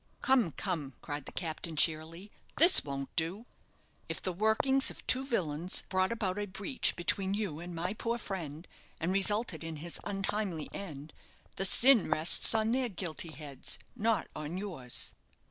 "Come, come!" cried the captain, cheerily; "this won't do. If the workings of two villains brought about a breach between you and my poor friend, and resulted in his untimely end, the sin rests on their guilty heads, not on yours."